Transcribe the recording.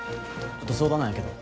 ちょっと相談なんやけど。